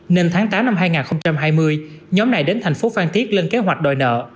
nên tháng tám năm hai nghìn hai mươi nhóm này đến thành phố phan thiết lên kế hoạch đòi nợ